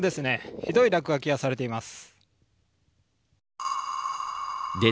ひどい落書きがされています。